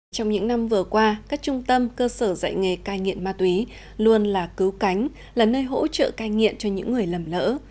trong những năm vừa qua các trung tâm cơ sở dạy nghề cai nghiện ma túy luôn là cứu cánh là nơi hỗ trợ cai nghiện cho những người lầm lỡ